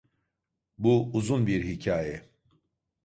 Bu uzun bir hikaye.